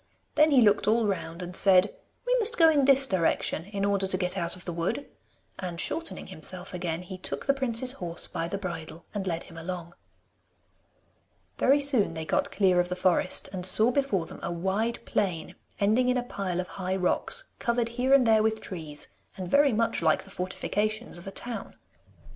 Then he looked all round and said, 'We must go in this direction in order to get out of the wood,' and shortening himself again, he took the prince's horse by the bridle, and led him along. Very soon they got clear of the forest, and saw before them a wide plain ending in a pile of high rocks, covered here and there with trees, and very much like the fortifications of a town.